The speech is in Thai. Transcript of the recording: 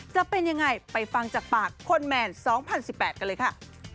จะเป็นยังไงไปฟังจากปากคนแมน๒๐๑๘กันเลยค่ะ